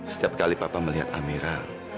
setiap kali papa melihat amera